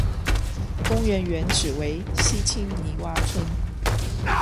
公园原址为西青泥洼村。